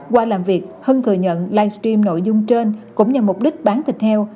qua làm việc hưng thừa nhận live stream nội dung trên cũng nhằm mục đích bán thịt heo